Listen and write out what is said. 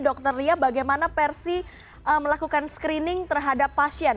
dokter lia bagaimana persi melakukan screening terhadap pasien